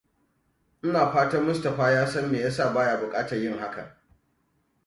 Ina fatan Mustapha ya san me yasa ba ya buƙatar yin hakan.